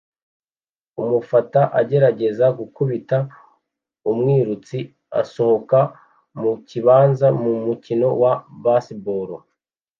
Umufata agerageza gukubita umwirutsi asohoka mu kibanza mu mukino wa baseball